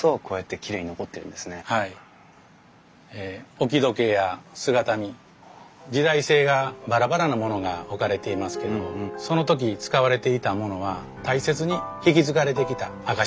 置き時計や姿見時代性がバラバラなものが置かれていますけどその時使われていたものは大切に引き継がれてきた証しだと思うんですね。